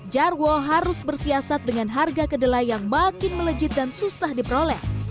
jarwo harus bersiasat dengan harga kedelai yang makin melejit dan susah diperoleh